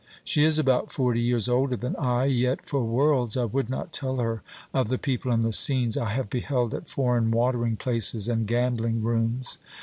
She is about forty years older than I; yet for worlds I would not tell her of the people and the scenes I have beheld at foreign watering places and gambling rooms.